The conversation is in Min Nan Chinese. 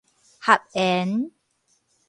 合緣